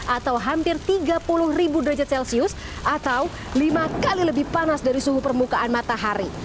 atau hampir tiga puluh ribu derajat celcius atau lima kali lebih panas dari suhu permukaan matahari